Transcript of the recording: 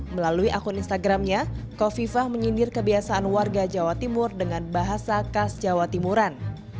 melalui akun instagramnya kofifah menyindir kebiasaan warga jawa timur dengan bahasa khas jawa timuran